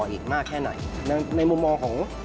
อีกมากแค่ไหนในมุมมองของ